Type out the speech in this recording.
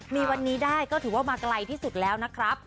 มีวันนี้ได้ก็ถือว่ามาไกลที่สุดแล้วนะครับ